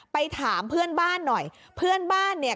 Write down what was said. ไปถามเพื่อนบ้านหน่อยเพื่อนบ้านเนี่ย